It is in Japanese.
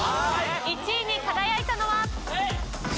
１位に輝いたのは。